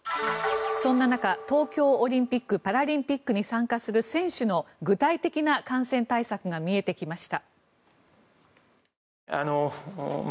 そんな中、東京オリンピック・パラリンピックに参加する選手の具体的な感染対策が見えてきました。